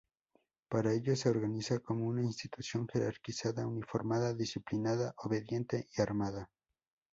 Para ello se organiza como una institución jerarquizada, uniformada, disciplinada, obediente y armada.